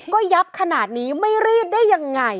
ก็ยับขนาดนี้ไม่รีดได้ยังไง